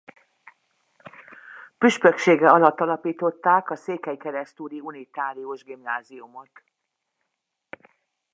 Püspöksége alatt alapították a székelykeresztúri unitárius gimnáziumot.